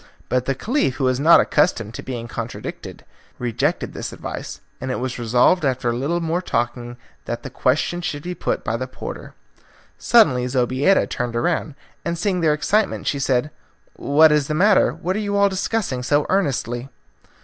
But the Caliph, who was not accustomed to be contradicted, rejected this advice, and it was resolved after a little more talking that the question should be put by the porter. Suddenly Zobeida turned round, and seeing their excitement she said, "What is the matter what are you all discussing so earnestly?"